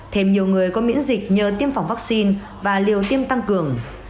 thêm nhiều người có miễn dịch nhờ tiêm phòng vaccine và liều tiêm tăng cường